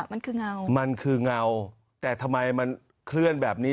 มันคือเงามันคือเงามแต่ทำไมมันเคลื่อนแบบนี้